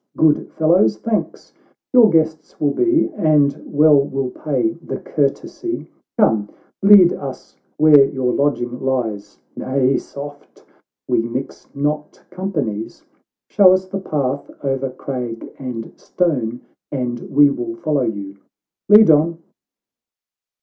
— Good fellows, thanks ; your guests we'll be. And well will pay the courtesy. Come, lead us where your lodging lies, — —Nay, soft ! we mix not companies. — Show us the path o'er crag and stone, And we will follow you ;— lead on."